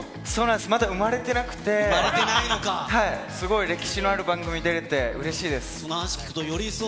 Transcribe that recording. まだ生まれていなくて、すごい歴史のある番組に出れて嬉しいです。